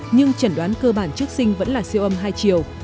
nhưng chẩn đoán cơ bản trước sinh vẫn là siêu âm hai chiều